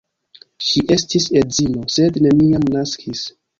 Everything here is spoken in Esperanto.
Ŝi estis edzino, sed neniam naskis.